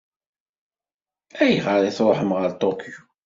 Ayɣer i tṛuḥem ɣer Tokyo?